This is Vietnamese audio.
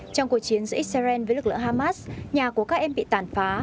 trong cuộc chiến giữa israel với lực lượng hamas nhà của các em bị tàn phá